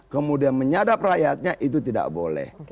kemudian menyadap rakyatnya itu tidak boleh